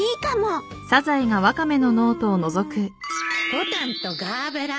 ボタンとガーベラね。